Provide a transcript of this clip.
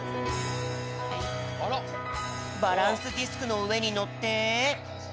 バランスディスクのうえにのって。